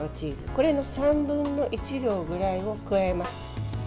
これの３分の１量ぐらいを加えます。